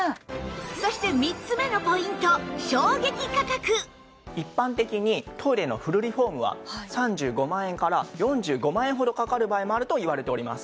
そして一般的にトイレのフルリフォームは３５万円から４５万円ほどかかる場合もあるといわれております。